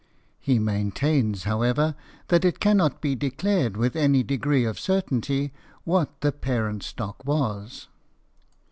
He maintains, however, that it cannot be declared with any degree of certainty what the parent stock was.